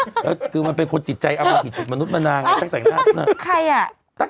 อ้าน่ะคือมันเป็นคนจิตใจอามาติถุทธิภูมิอาณาจับแต่งหน้าฉัน